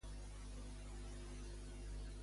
Només va executar obres de dramaturgs nacionals?